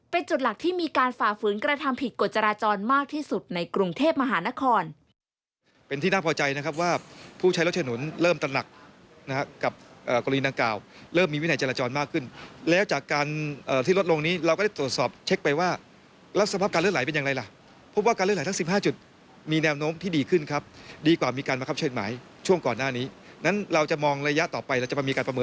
เป็นจุดหลักที่มีการฝ่าฝืนกระทำผิดกฎจราจรมากที่สุดในกรุงเทพมหานคร